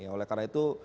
oleh karena itu